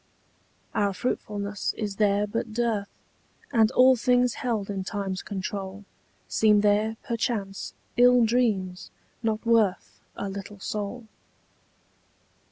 Our fruitfulness is there but dearth, And all things held in time's control Seem there, perchance, ill dreams, not worth A little soul.